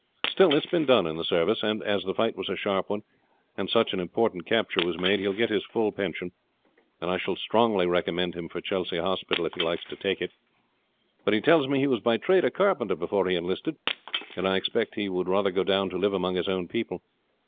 Still it's been done in the service; and as the fight was a sharp one, and such an important capture was made, he will get his full pension, and I shall strongly recommend him for Chelsea Hospital if he likes to take it. But he tells me he was by trade a carpenter before he enlisted, and I expect he would rather go down to live among his own people.